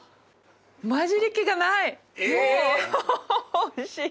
おいしい！